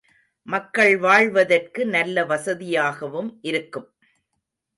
மக்கள் வாழ்வதற்கு நல்ல வசதியாகவும் இருக்கும்.